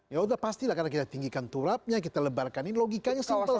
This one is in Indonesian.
yaudah pastilah karena kita tinggikan turatnya kita lebarkan ini logikanya simpel sekali